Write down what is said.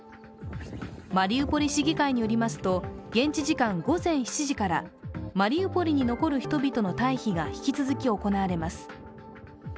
マリウポリ市議会によりますと現地時間午前７時からマリウポリに残る人々の退避が引き続き行われます。